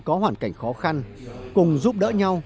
có hoàn cảnh khó khăn cùng giúp đỡ nhau